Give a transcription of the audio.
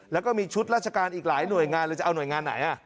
แล้วก็มีชุดราชการอีกหลายหน่วยงานเลยจะเอาหน่วยงานไหน